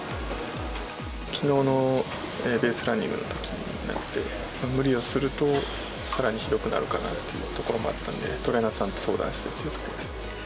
きのうのベースランニングのときになって、無理をすると、さらにひどくなるかなっていうところもあったんで、トレーナーさんと相談して決めました。